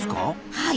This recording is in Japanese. はい。